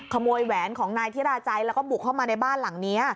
แหวนของนายธิราจัยแล้วก็บุกเข้ามาในบ้านหลังนี้